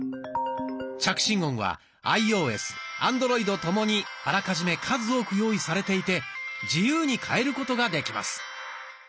着信音はアイオーエスアンドロイドともにあらかじめ数多く用意されていて自由に変えることができます。